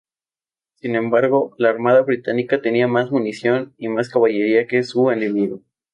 Sin embargo, la armada británica tenía más munición y más caballería que su enemigo.